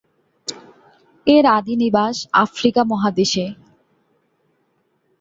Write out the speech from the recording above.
এর আদি নিবাস আফ্রিকা মহাদেশে।